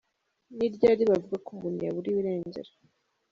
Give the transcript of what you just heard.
Ni ryari bavuga ko umuntu yaburiwe irengero ?